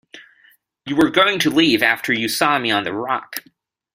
You were going to leave after you saw me on the rock.